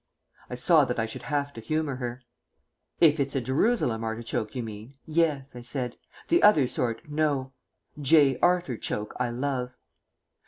I saw that I should have to humour her. "If it's a Jerusalem artichoke you mean, yes," I said; "the other sort, no. J. Arthur Choke I love."